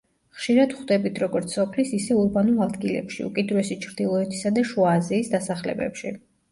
ხშირად ვხვდებით როგორც სოფლის, ისე ურბანულ ადგილებში, უკიდურესი ჩრდილოეთისა და შუა აზიის დასახლებებში.